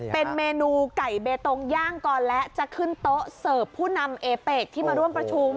เป็นเมนูไก่เบตงย่างก่อนและจะขึ้นโต๊ะเสิร์ฟผู้นำเอเปกที่มาร่วมประชุม